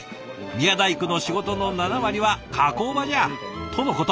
宮大工の仕事の７割は加工場じゃ！」とのこと。